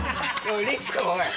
律子おい。